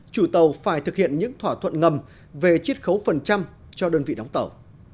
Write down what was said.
chủ tàu phải thực hiện những thỏa thuận ngầm về chiết khấu phần trăm cho đơn vị đóng tàu